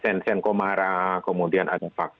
sensen komara kemudian ada faksi